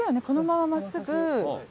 このまま真っすぐ。